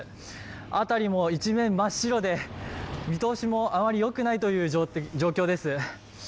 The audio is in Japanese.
辺りも一面真っ白で、見通しもあまりよくないという状況です。